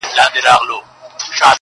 راسه يوار راسه صرف يوه دانه خولگۍ راكړه